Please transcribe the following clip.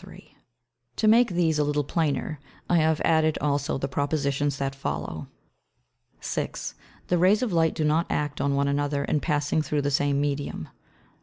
To make these a little plainer, I have added also the Propositions that follow. 6. The Rays of Light do not act on one another, in passing through the same Medium.